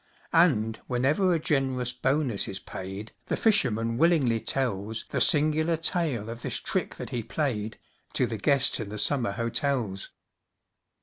And, whenever a generous bonus is paid, The fisherman willingly tells The singular tale of this trick that he played, To the guests in the summer hotels.